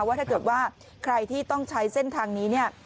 ว่าถ้าเกิดว่าใครที่ต้องใช้เส้นทางนี้เนี่ย